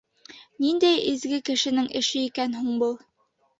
Ниндәй изге кешенең эше икән һуң был?